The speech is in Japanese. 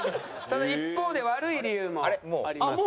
ただ一方で悪い理由もあります。